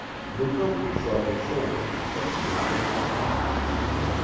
Mukoki shrugged his shoulders but did not answer.